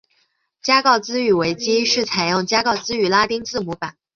加告兹语维基是采用加告兹语拉丁字母版。